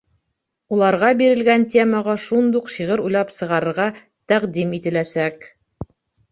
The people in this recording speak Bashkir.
Уларға бирелгән темаға шундуҡ шиғыр уйлап сығарырға тәҡдим ителәсәк.